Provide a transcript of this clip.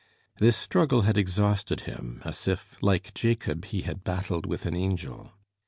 This struggle had exhausted him, as if, like Jacob, he had battled with an angel.